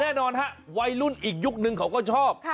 แน่นอนฮะวัยรุ่นอีกยุคนึงเขาก็ชอบ